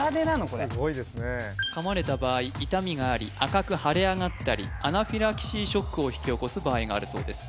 これ噛まれた場合痛みがあり赤く腫れ上がったりアナフィラキシーショックを引き起こす場合があるそうです